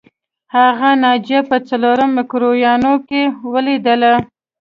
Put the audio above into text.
هغې ناجیه په څلورم مکروریانو کې ولیدله